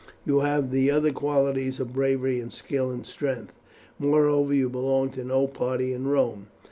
You have the other qualities of bravery and skill and strength. Moreover, you belong to no party in Rome.